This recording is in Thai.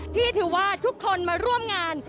ที่ถือว่าทุกคนมาร่วมงาน